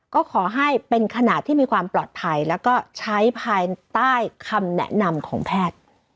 ก็ขอให้เป็นขนาดที่มีความปลอดภัยแล้วก็ใช้ภายใต้คำแนะนำของแพทย์